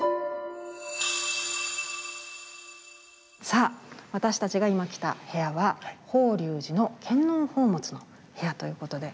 さあ私たちが今来た部屋は法隆寺の献納宝物の部屋ということで。